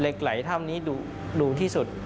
เหล็กไหลถ้ำนี้ดูที่สุด